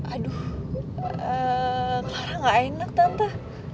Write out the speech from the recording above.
aduh clara nggak enak tante